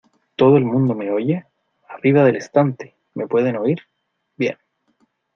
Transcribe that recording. ¿ Todo el mundo me oye? ¿ arriba del estante, me pueden oír ? bien.